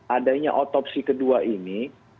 adanya otopsi kedua ini